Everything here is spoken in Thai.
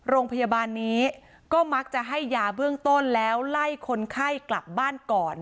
โรงพยาบาลนี้ก็มักจะให้ยาเบื้องต้นแล้วไล่คนไข้กลับบ้านก่อน